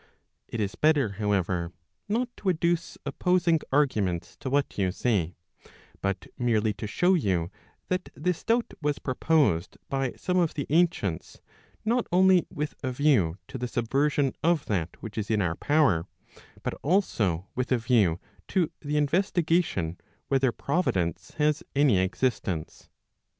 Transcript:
It is better however, not to adduce opposing arguments to what you say, but merely to show you that this doubt was proposed by some of the ancients not only with a view to the subversion of that which is in our power, but also with a view to the investigation whether providence has any existence.